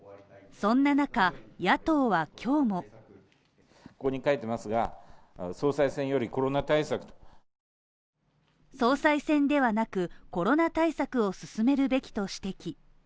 そんな中、野党は今日も総裁選ではなく、コロナ対策を進めるべきと指摘。